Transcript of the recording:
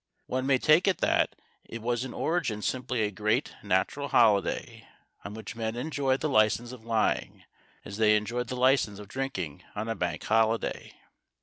One may take it that it was in origin simply a great natural holiday, on which men enjoyed the license of lying as they enjoy the license of drinking on a Bank Holiday.